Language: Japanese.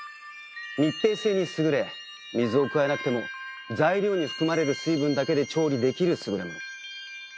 密閉性に優れ水を加えなくても材料に含まれる水分だけで調理できる優れもの。